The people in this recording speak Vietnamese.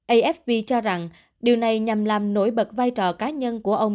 afv cho rằng điều này nhằm làm nổi bật vai trò cá nhân của ông